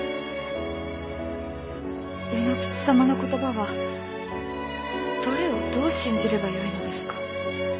卯之吉様の言葉はどれをどう信じればよいのですか？